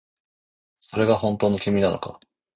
それが本当の君なのか